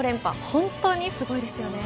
本当にすごいですよね。